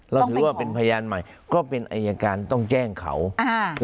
เราถือว่าเป็นพยานใหม่ก็เป็นอายการต้องแจ้งเขาอ่า